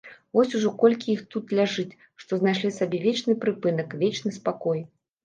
Вось ужо колькі іх тут ляжыць, што знайшлі сабе вечны прыпынак, вечны спакой.